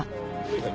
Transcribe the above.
はい。